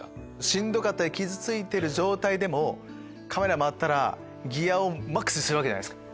しんどかったり傷ついてる状態でもカメラ回ったらギアをマックスにするじゃないですか。